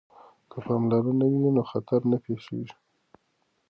که پاملرنه وي نو خطر نه پیښیږي.